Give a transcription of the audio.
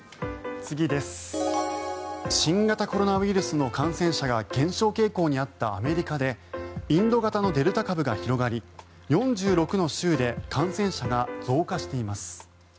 新型コロナウイルスの感染者が減少傾向にあったアメリカでインド型のデルタ株が広がり４６の州で感染者が増加しています。